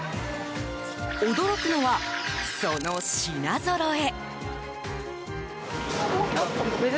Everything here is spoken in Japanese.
驚くのは、その品ぞろえ。